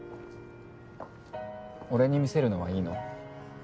俺に見せるのはいいの？